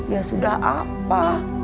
ya sudah apa